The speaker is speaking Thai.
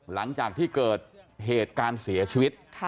หลังจากที่เกิดเหตุการณ์เสียชีวิต